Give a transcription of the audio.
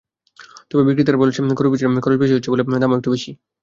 তবে বিক্রেতারা বলছেন, গরুর পেছনে খরচ বেশি হচ্ছে বলে দামও একটু বেশি।